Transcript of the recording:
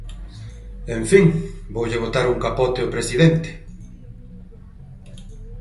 En fin, voulle botar un capote ao presidente.